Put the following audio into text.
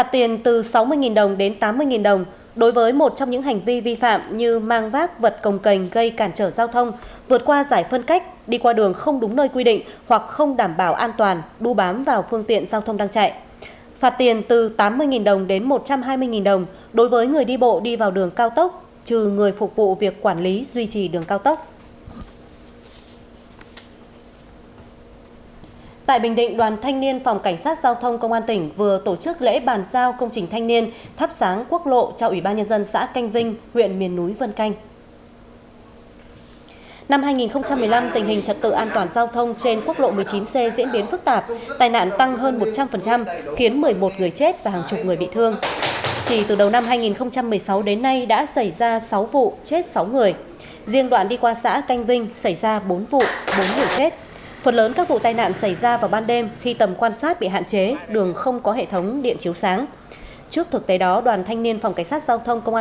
theo đó cảnh báo hoặc phạt tiền từ sáu mươi đồng đến tám mươi đồng đối với một trong các hành vi vi phạm như đi không đúng làn đường không chấp hành hiệu lệnh hoặc chỉ dẫn của đèn tín hiệu biển báo hiệu vạch kẻ đường không chấp hành hiệu lệnh hoặc chỉ dẫn của đèn tín hiệu người kiểm soát giao thông